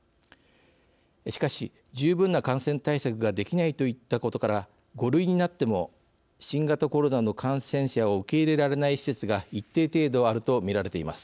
しかし、十分な感染対策ができないといったことから５類になっても新型コロナの感染者を受け入れられない施設が一定程度あると見られています。